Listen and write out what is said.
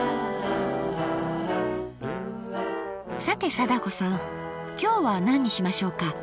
さて貞子さん今日は何にしましょうか。